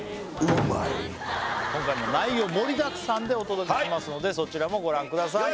今回も内容盛りだくさんでお届けしますのでそちらもご覧ください